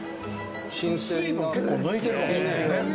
水分結構抜いてるかもしんないですね